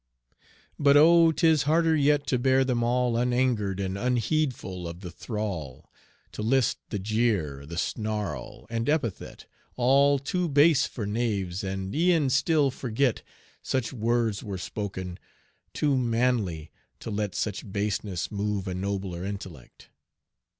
But oh! 'tis harder yet to bear them all Unangered and unheedful of the thrall, To list the jeer, the snarl, and epithet All too base for knaves, and e'en still forget Such words were spoken, too manly to let Such baseness move a nobler intellect.